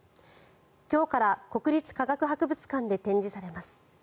今日から国立科学博物館で展示されます。